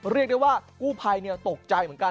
เรียกได้ว่ากู้ภัยตกใจเหมือนกัน